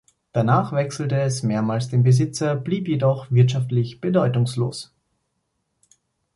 Danach wechselte es mehrmals den Besitzer, blieb jedoch wirtschaftlich bedeutungslos.